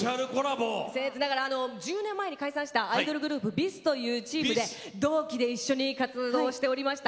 せん越ながら１０年前に解散したアイドルグループＢｉＳというチームで同期で一緒に活動しておりました